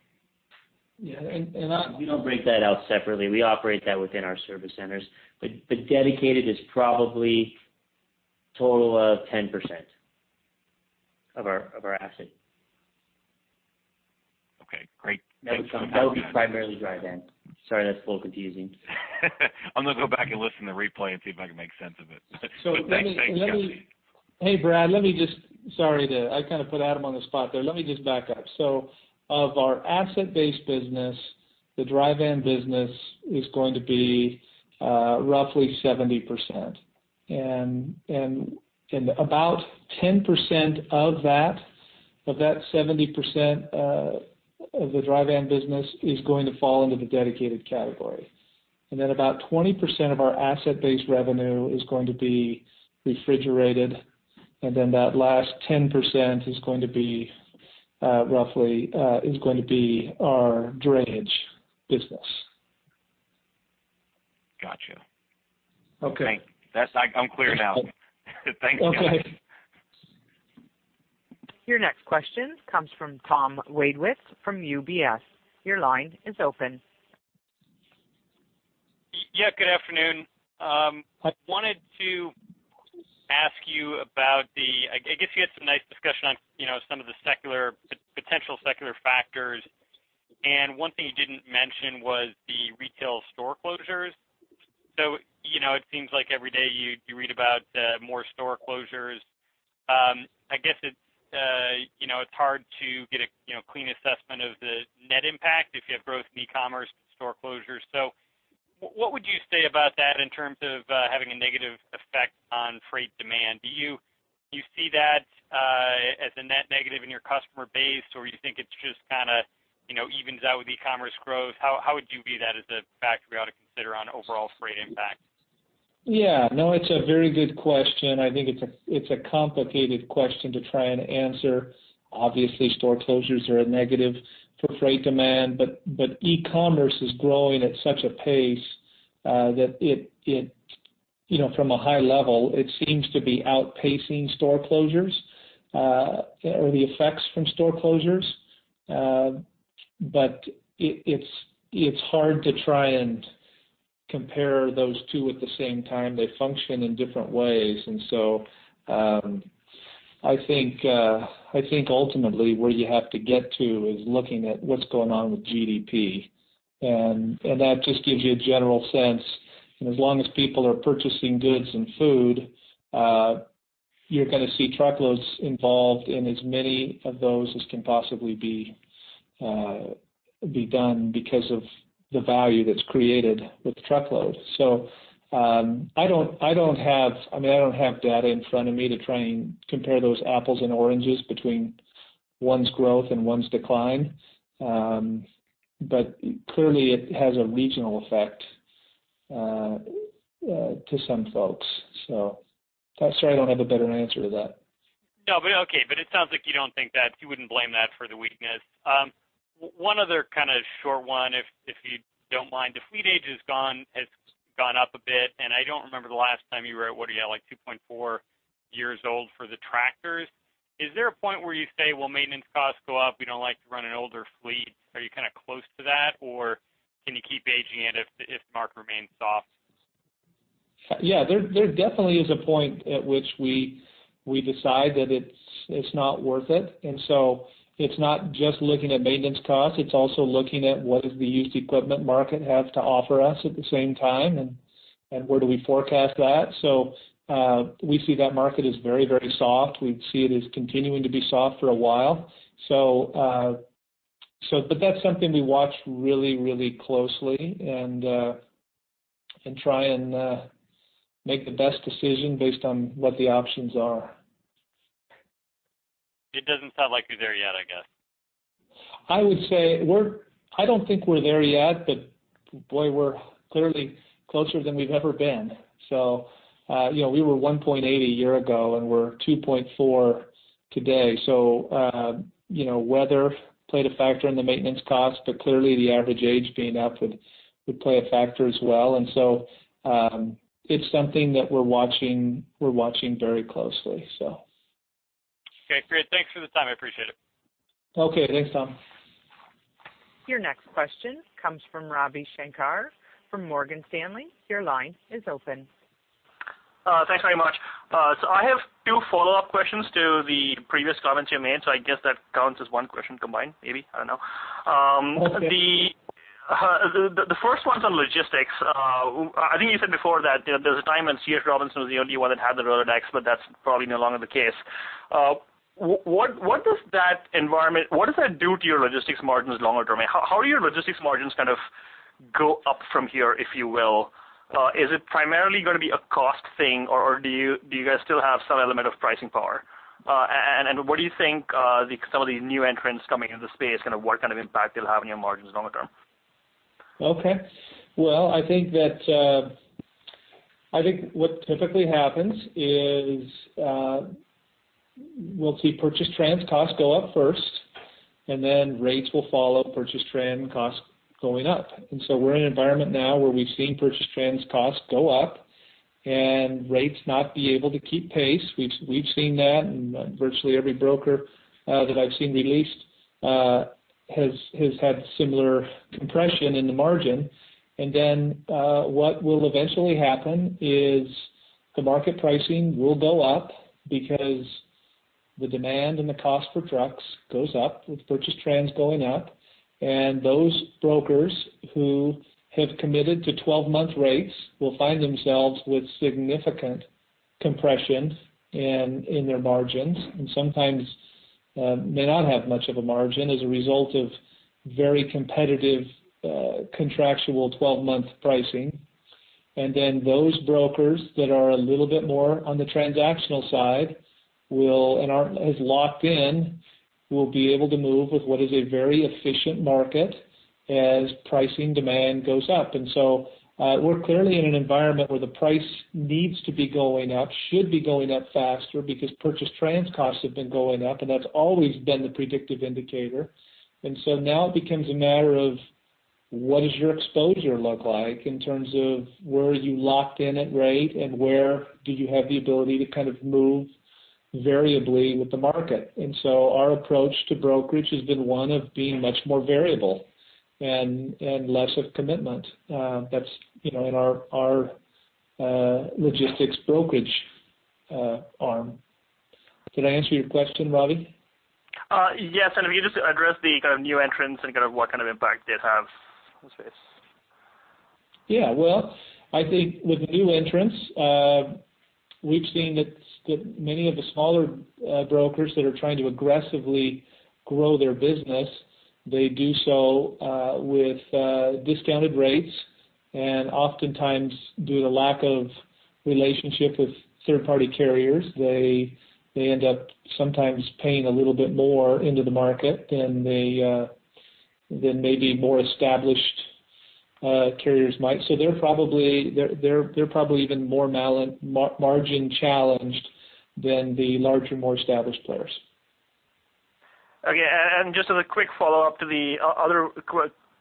We don't break that out separately. We operate that within our service centers. But dedicated is probably a total of 10% of our asset. Okay, great. That would come, that would be primarily dry van. Sorry, that's a little confusing. I'm going to go back and listen to the replay and see if I can make sense of it. But thanks. Thanks, [Jesse]. Hey, Brad, let me just, sorry to, I kind of put Adam on the spot there. Let me just back up. So of our asset-based business, the dry van business is going to be roughly 70%. And about 10% of that 70% of the dry van business is going to fall into the dedicated category. And then, about 20% of our asset-based revenue is going to be refrigerated, and then that last 10% is going to be roughly our drayage business. Gotcha. Okay. Thanks. That's like, I'm clear now. Thank you. Okay. Your next question comes from Tom Wadewitz from UBS. Your line is open. Yeah, good afternoon. I wanted to ask you about the, I guess you had some nice discussion on, you know, some of the secular, potential secular factors. And one thing you didn't mention was the retail store closures. So, you know, it seems like every day you read about more store closures. I guess it's, you know, it's hard to get a, you know, clean assessment of the net impact if you have growth in e-commerce store closures. So what would you say about that in terms of having a negative effect on freight demand? Do you see that as a net negative in your customer base, or you think it's just kind of, you know, evens out with e-commerce growth? How would you view that as a factor we ought to consider on overall freight impact? Yeah. No, it's a very good question. I think it's a complicated question to try and answer. Obviously, store closures are a negative for freight demand, but e-commerce is growing at such a pace, you know, from a high level, it seems to be outpacing store closures, or the effects from store closures. But it's hard to try and compare those two at the same time. They function in different ways, and so I think ultimately where you have to get to is looking at what's going on with GDP, and that just gives you a general sense. And as long as people are purchasing goods and food, you're going to see truckloads involved in as many of those as can possibly be. be done because of the value that's created with truckload. So, I mean, I don't have data in front of me to try and compare those apples and oranges between one's growth and one's decline, but clearly, it has a regional effect to some folks. So sorry, I don't have a better answer to that. No, but okay. But it sounds like you don't think that, you wouldn't blame that for the weakness. One other kind of short one, if you don't mind. The fleet age has gone up a bit, and I don't remember the last time you were at, what are you at, like 2.4 years old for the tractors? Is there a point where you say, "Well, maintenance costs go up, we don't like to run an older fleet," are you kind of close to that, or can you keep aging it if the, if the market remains soft? Yeah, there definitely is a point at which we decide that it's not worth it. And so it's not just looking at maintenance costs, it's also looking at what does the used equipment market have to offer us at the same time, and where do we forecast that? So, we see that market is very, very soft. We see it as continuing to be soft for a while. So, but that's something we watch really, really closely and try and make the best decision based on what the options are. It doesn't sound like you're there yet, I guess. I would say we're, I don't think we're there yet, but boy, we're clearly closer than we've ever been. So, you know, we were 1.8 a year ago, and we're 2.4 today. So, you know, weather played a factor in the maintenance costs, but clearly, the average age being up would, would play a factor as well. And so, it's something that we're watching, we're watching very closely, so. Okay, great. Thanks for the time. I appreciate it. Okay. Thanks, Tom. Your next question comes from Ravi Shanker from Morgan Stanley. Your line is open. Thanks very much. So I have two follow-up questions to the previous comments you made, so I guess that counts as one question combined, maybe, I don't know. The first one's on logistics. I think you said before that, you know, there was a time when C.H. Robinson was the only one that had the Rolodex, but that's probably no longer the case. What does that environment, what does that do to your logistics margins longer term? How are your logistics margins kind of go up from here, if you will? Is it primarily gonna be a cost thing, or do you guys still have some element of pricing power? And what do you think, some of the new entrants coming into the space, and what kind of impact they'll have on your margins longer term? Okay. Well, I think that, I think what typically happens is, we'll see purchased trans costs go up first, and then rates will follow purchased trans costs going up. And so we're in an environment now where we've seen purchased trans costs go up and rates not be able to keep pace. We've seen that, and virtually every broker that I've seen released has had similar compression in the margin. And then, what will eventually happen is the market pricing will go up because the demand and the cost for trucks goes up with purchased trans going up, and those brokers who have committed to 12-month rates will find themselves with significant compression in their margins, and sometimes may not have much of a margin as a result of very competitive contractual 12-month pricing. And then those brokers that are a little bit more on the transactional side and aren't as locked in will be able to move with what is a very efficient market as pricing demand goes up. And so, we're clearly in an environment where the price needs to be going up, should be going up faster because purchase trans costs have been going up, and that's always been the predictive indicator. And so now it becomes a matter of what does your exposure look like in terms of where are you locked in at rate, and where do you have the ability to kind of move variably with the market. And so our approach to brokerage has been one of being much more variable and less of commitment, that's, you know, in our logistics brokerage arm. Did I answer your question, Ravi? Yes, and if you just address the kind of new entrants and kind of what kind of impact they'd have in the space. Yeah, well, I think with the new entrants, we've seen that many of the smaller brokers that are trying to aggressively grow their business, they do so with discounted rates. And oftentimes, due to lack of relationship with third-party carriers, they end up sometimes paying a little bit more into the market than maybe more established carriers might. So they're probably even more margin challenged than the larger, more established players. Okay, and just as a quick follow-up to the other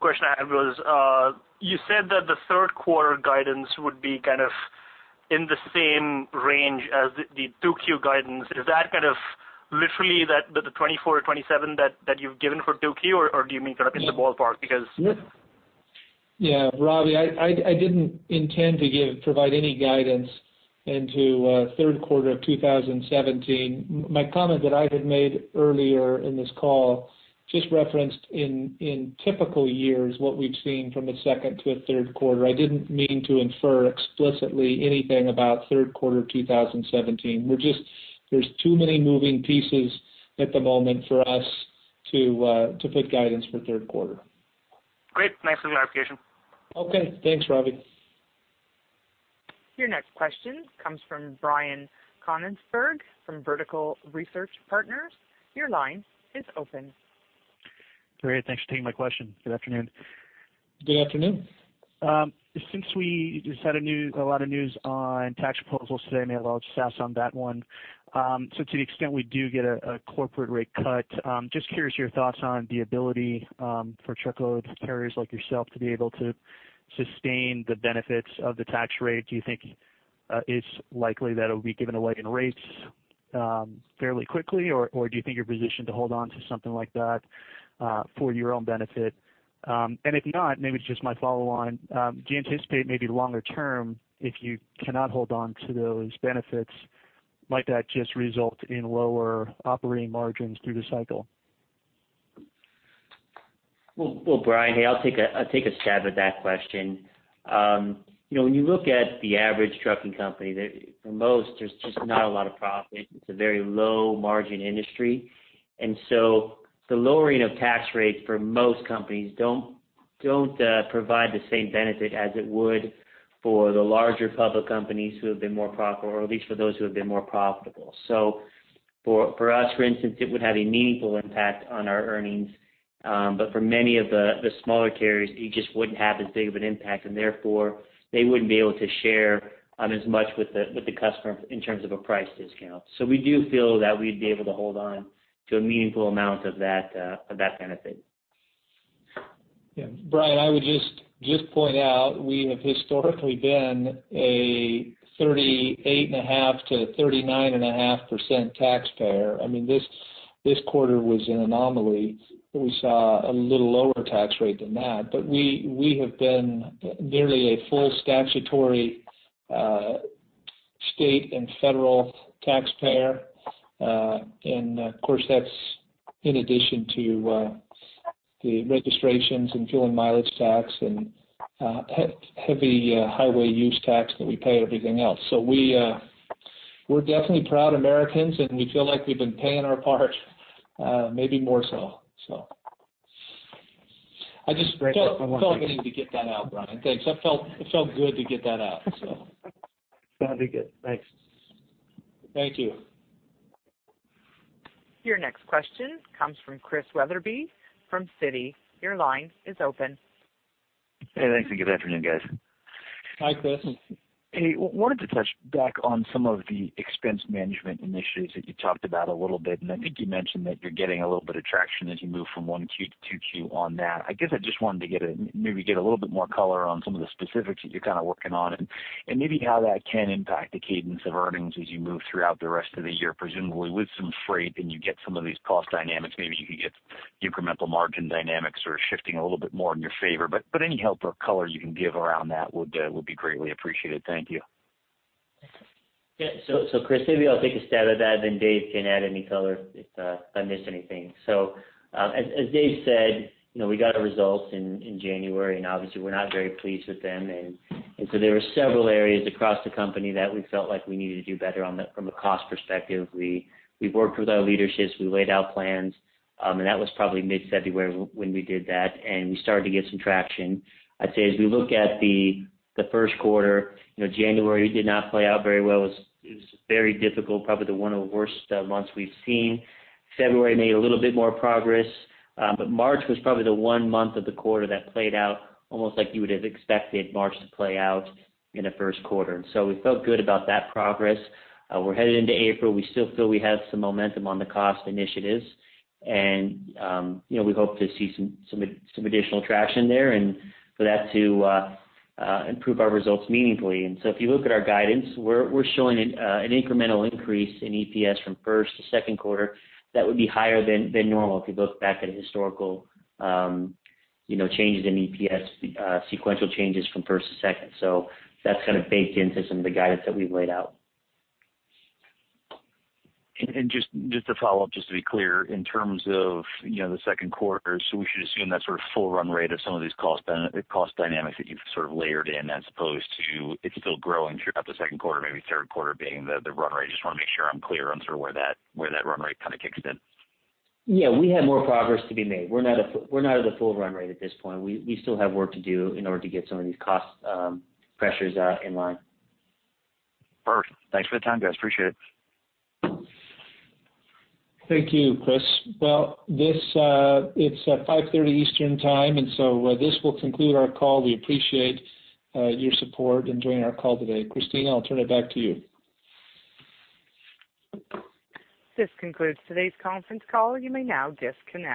question I had was, you said that the third quarter guidance would be kind of in the same range as the 2Q guidance. Is that kind of literally that, the 24-27 that you've given for 2Q, or do you mean kind of in the ballpark? Because. Yeah, Ravi, I didn't intend to give, provide any guidance into third quarter of 2017. My comment that I had made earlier in this call just referenced in typical years what we've seen from a second to a third quarter. I didn't mean to infer explicitly anything about third quarter 2017. We're just. There's too many moving pieces at the moment for us to put guidance for third quarter. Great. Thanks for the clarification. Okay, thanks, Ravi. Your next question comes from Brian Konigsberg, from Vertical Research Partners. Your line is open. Great, thanks for taking my question. Good afternoon. Good afternoon. Since we just had a lot of news on tax proposals today, maybe I'll just ask on that one. So to the extent we do get a corporate rate cut, just curious your thoughts on the ability for truckload carriers like yourself to be able to sustain the benefits of the tax rate. Do you think it's likely that it'll be given away in rates fairly quickly? Or do you think you're positioned to hold on to something like that for your own benefit? And if not, maybe it's just my follow on, do you anticipate maybe longer term, if you cannot hold on to those benefits, might that just result in lower operating margins through the cycle? Well, Brian, hey, I'll take a, I'll take a stab at that question. You know, when you look at the average trucking company, there, for most, there's just not a lot of profit. It's a very low margin industry. And so the lowering of tax rates for most companies don't provide the same benefit as it would for the larger public companies who have been more profitable, or at least for those who have been more profitable. So for, for us, for instance, it would have a meaningful impact on our earnings, but for many of the, the smaller carriers, it just wouldn't have as big of an impact, and therefore, they wouldn't be able to share on as much with the, with the customer in terms of a price discount. So we do feel that we'd be able to hold on to a meaningful amount of that, of that benefit. Yeah, Brian, I would just point out, we have historically been a 38.5%-39.5% taxpayer. I mean, this quarter was an anomaly. We saw a little lower tax rate than that, but we have been nearly a full statutory state and federal taxpayer. And of course, that's in addition to the registrations and fuel and mileage tax and heavy highway use tax that we pay, everything else. So we're definitely proud Americans, and we feel like we've been paying our part, maybe more so. So I just felt I needed to get that out, Brian. Thanks. I felt it felt good to get that out. Sounded good. Thanks. Thank you. Your next question comes from Chris Wetherbee, from Citi. Your line is open. Hey, thanks, and good afternoon, guys. Hi, Chris. Hey, wanted to touch back on some of the expense management initiatives that you talked about a little bit, and I think you mentioned that you're getting a little bit of traction as you move from 1Q to 2Q on that. I guess I just wanted to get a, maybe get a little bit more color on some of the specifics that you're kind of working on, and, and maybe how that can impact the cadence of earnings as you move throughout the rest of the year, presumably with some freight, and you get some of these cost dynamics, maybe you could get the incremental margin dynamics are shifting a little bit more in your favor. But, but any help or color you can give around that would, would be greatly appreciated. Thank you. Yeah, so Chris, maybe I'll take a stab at that, then Dave can add any color if I miss anything. So, as Dave said, you know, we got our results in January, and obviously, we're not very pleased with them. So there were several areas across the company that we felt like we needed to do better on from a cost perspective. We worked with our leaderships, we laid out plans, and that was probably mid-February when we did that, and we started to get some traction. I'd say as we look at the first quarter, you know, January did not play out very well. It was very difficult, probably one of the worst months we've seen. February, made a little bit more progress, but March was probably the one month of the quarter that played out almost like you would have expected March to play out in the first quarter. And so we felt good about that progress. We're headed into April. We still feel we have some momentum on the cost initiatives. And, you know, we hope to see some additional traction there, and for that to improve our results meaningfully. And so if you look at our guidance, we're showing an incremental increase in EPS from first to second quarter. That would be higher than normal if you look back at historical, you know, changes in EPS, sequential changes from first to second. So that's kind of baked into some of the guidance that we've laid out. Just to follow up, just to be clear, in terms of, you know, the second quarter, so we should assume that sort of full run rate of some of these cost dynamics that you've sort of layered in, as opposed to it's still growing throughout the second quarter, maybe third quarter being the run rate? Just want to make sure I'm clear on sort of where that run rate kind of kicks in. Yeah, we have more progress to be made. We're not at a full run rate at this point. We still have work to do in order to get some of these cost pressures in line. Perfect. Thanks for the time, guys. Appreciate it. Thank you, Chris. Well, this, it's 5:30 P.M. Eastern Time, and so, this will conclude our call. We appreciate your support in joining our call today. Christina, I'll turn it back to you. This concludes today's conference call. You may now disconnect.